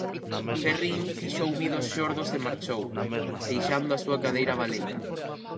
Ferrín fixo ouvidos xordos e marchou, deixando a súa cadeira valeira.